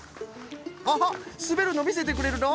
アハすべるのみせてくれるの？